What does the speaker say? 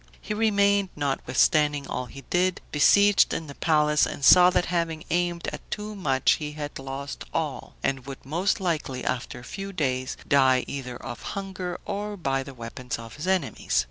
He remained, notwithstanding all he did, besieged in the palace, and saw that having aimed at too much he had lost all, and would most likely, after a few days, die either of hunger, or by the weapons of his enemies.